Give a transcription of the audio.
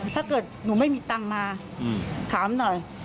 ถ้าเกิดหนูไม่มีตังค์มาถามหน่อย